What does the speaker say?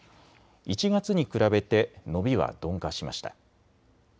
１月に比べて伸びは鈍化しました。